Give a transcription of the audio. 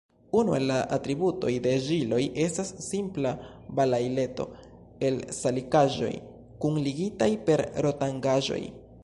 Unu el la atributoj de ĵiloj estas simpla balaileto el salikaĵoj, kunligitaj per rotangaĵoj.